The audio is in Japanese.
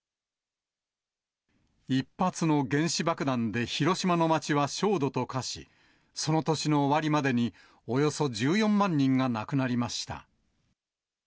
一発の原子爆弾で広島の街は焦土と化し、その年の終わりまでに、およそ１４万人が亡くなりました。